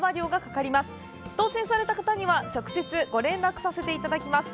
当せんされた方には直接ご連絡させていただきます。